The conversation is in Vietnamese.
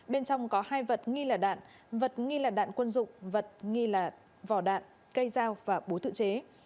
bên trong có hai vật nghi là đạn vật nghi là đạn quân dụng vật nghi là vỏ đạn cây dao và búa tự chế